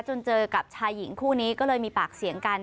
เจอกับชายหญิงคู่นี้ก็เลยมีปากเสียงกัน